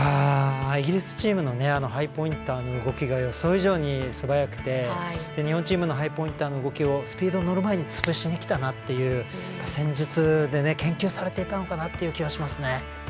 イギリスのハイポインターの動きが予想以上によくて日本のチームのハイポインターの動きをスピード乗る前に潰しにきたなという戦術で研究されていたのかなと。